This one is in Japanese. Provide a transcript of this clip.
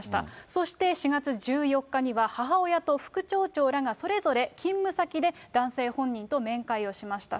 そして４月１４日には、母親と副町長らがそれぞれ勤務先で男性本人と面会をしました。